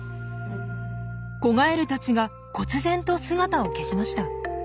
子ガエルたちがこつ然と姿を消しました。